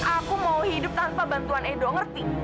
aku mau hidup tanpa bantuan endo ngerti